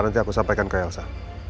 nanti aku sampaikan ke elsa